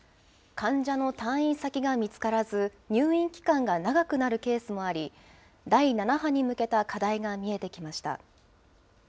患者の退院先が見つからず、入院期間が長くなるケースもあり、第７波に向けた課題が見えてきました。